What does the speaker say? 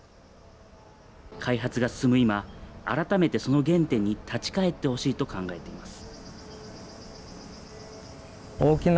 開発が進む今、改めて、その原点に立ち返ってほしいと考えています。